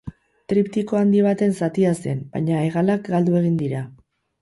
Triptiko handi baten zatia zen, baina hegalak galdu egin dira.